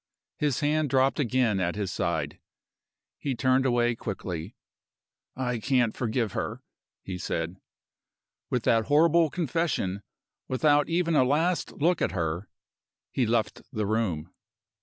His hand dropped again at his side; he turned away quickly. "I can't forgive her!" he said. With that horrible confession without even a last look at her he left the room.